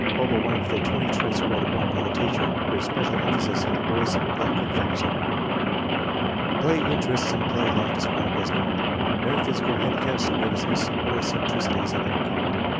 All but one of the twenty traits graded 1 by the teacher, with special emphasis on the boy's lack of vanity. Play interests and play life described as normal. No physical handicaps, nervousness, or eccentricities of any kind.